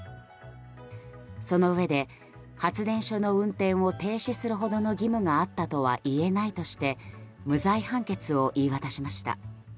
そのうえで、発電所の運転を停止するほどの義務があったとはいえないとして無罪判決を言い渡しました。